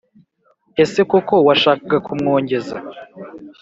ese koko washakaga kumwongeza